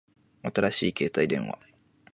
新しい携帯電話